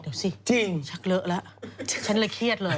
เดี๋ยวซิชักเลอะละฉันเลยเครียดเลย